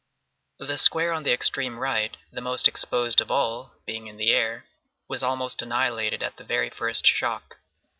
The square on the extreme right, the most exposed of all, being in the air, was almost annihilated at the very first shock.